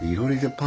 パン。